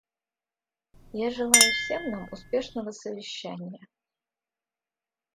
Я желаю всем нам успешного совещания.